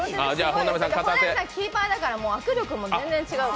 本並さんキーパーだから、握力も全然違う。